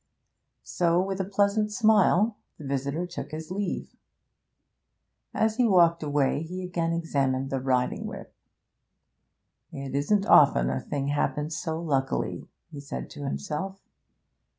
So, with a pleasant smile, the visitor took his leave. As he walked away he again examined the riding whip. 'It isn't often a thing happens so luckily,' he said to himself.